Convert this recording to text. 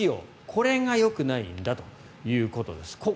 これがよくないんだということです。